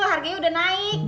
harganya udah naik